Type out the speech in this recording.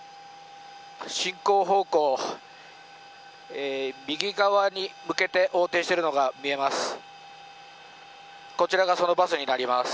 進行方向、右側に向けて横転しているのが見えます。